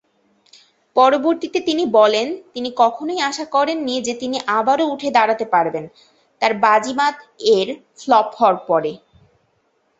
পরবর্তিতে তিনি বলেন যা তিনি কখনই আশা করেননি যা তিনি আবারো উঠে দাঁড়াতে পারবেন, তার "বাজিমাত"-এর ফ্লপ হওয়ার পরে।